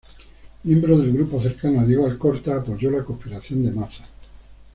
Miembro del grupo cercano a Diego Alcorta, apoyó la conspiración de Maza.